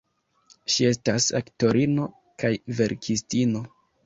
Ŝi estas aktorino kaj verkistino.